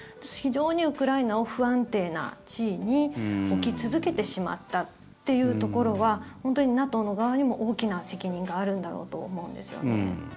非常にウクライナを不安定な地位に置き続けてしまったというところはＮＡＴＯの側にも大きな責任があるんだろうと思うんですよね。